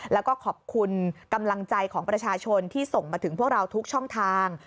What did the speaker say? แล้วก็ขอบคุณกำลังใจของประชาชนที่ส่งมาถึงพวกเราทุกช่องทาง